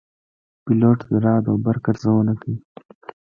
پیلوټ د رعد او برق ارزونه کوي.